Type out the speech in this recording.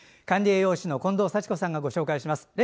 管理栄養士の近藤幸子さんがご紹介します。